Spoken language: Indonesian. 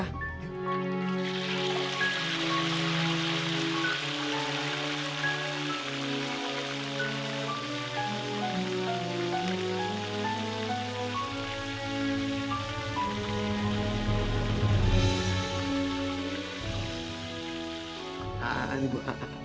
nah ini bu